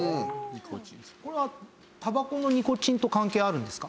これはタバコのニコチンと関係あるんですか？